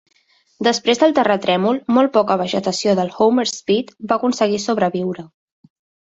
Després del terratrèmol, molt poca vegetació del Homer Spit va aconseguir sobreviure.